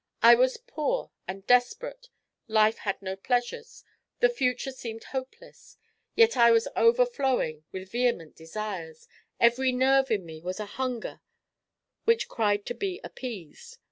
I was poor and desperate, life had no pleasures, the future seemed hopeless, yet I was overflowing with vehement desires, every nerve in me was a hunger which cried to be appeased.